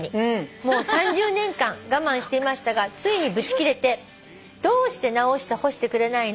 「もう３０年間我慢していましたがついにブチキレてどうして直して干してくれないの？